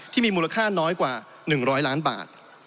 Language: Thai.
ที่มีมูลค่าน้อยกว่า๑๐๐ล้านบาท